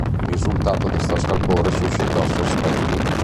Il risultato destò scalpore e suscitò sospetti.